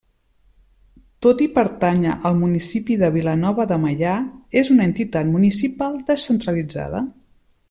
Tot i pertànyer al municipi de Vilanova de Meià, és una entitat municipal descentralitzada.